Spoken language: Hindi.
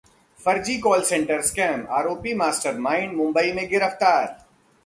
फर्जी कॉल सेंटर स्कैमः आरोपी मास्टर माइंड मुंबई में गिरफ्तार